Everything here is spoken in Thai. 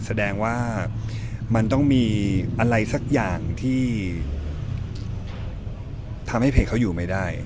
แสดงว่ามันต้องมีอะไรสักอย่างที่ทำให้เพจเขาอยู่ไม่ได้